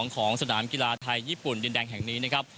ของสนามกีฬาไทยญี่ปุ่นดินแดงแห่งนี้นะครับ